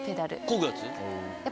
こぐやつ？